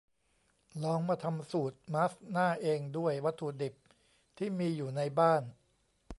ลองมาทำสูตรมาสก์หน้าเองด้วยวัตถุดิบที่มีอยู่ในบ้าน